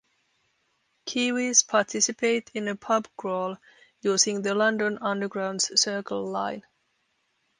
Kiwis participate in a pub crawl using the London Underground's Circle Line.